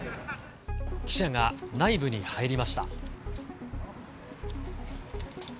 記者が内部に入りました。